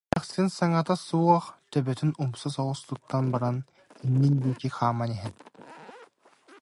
эмээхсин саҥата суох, төбөтүн умса соҕус туттан баран иннин диэки хааман иһэн